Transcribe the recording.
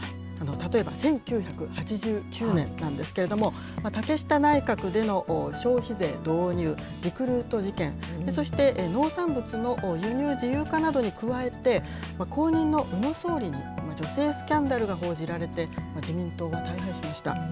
例えば１９８９年なんですけれども、竹下内閣での消費税導入、リクルート事件、そして農産物の輸入自由化などに加えて、後任の宇野総理に女性スキャンダルが報じられて、自民党が大敗しました。